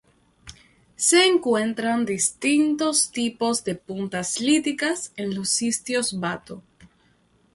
Se encuentran distintos tipos de puntas líticas en los sitios bato.